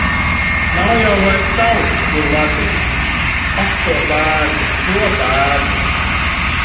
Nav jau vairs tautu, kur vadīt. Ak, to bēdu! To bēdu!